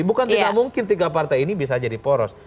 bukan tidak mungkin tiga partai ini bisa jadi poros